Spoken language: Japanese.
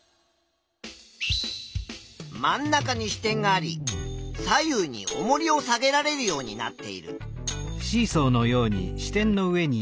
真ん中に支点があり左右におもりを下げられるようになっている。